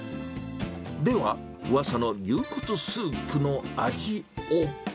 では、うわさの牛骨スープの味を。